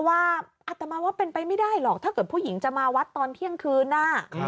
ทางผู้ชมพอเห็นแบบนี้นะทางผู้ชมพอเห็นแบบนี้นะ